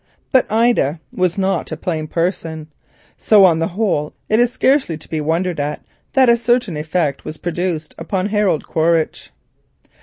But Ida was not a plain person, so on the whole it is scarcely wonderful that a certain effect was produced upon Harold Quaritch.